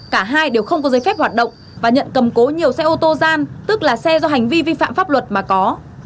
cả hai đều không có giấy phép hoạt động và nhận cầm cố nhiều xe ô tô gian tức là xe do hành vi vi phạm pháp luật mà có